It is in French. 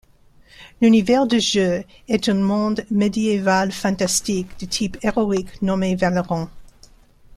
L'univers de jeu est un monde médiéval fantastique de type héroïque nommé Valeron.